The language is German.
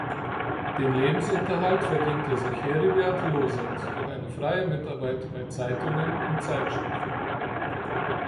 Den Lebensunterhalt verdiente sich Heribert Losert durch eine freie Mitarbeit bei Zeitungen und Zeitschriften.